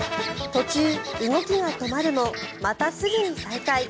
途中、動きが止まるもまたすぐに再開。